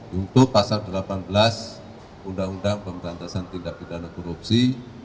untuk pasal delapan belas undang undang pemberantasan tindak pidana korupsi